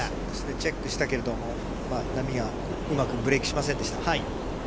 チェックしたけれどもうまくブレーキしませんでした。